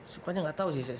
sukanya nggak tau sih saya